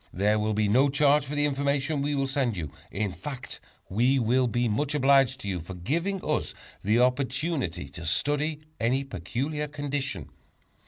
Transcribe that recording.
There will be no charge for the information we will send you; in fact, we will be much obliged to you for giving us the opportunity to study any peculiar condition.